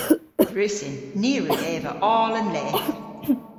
Gwrussyn. Ni a wrug eva oll an leth.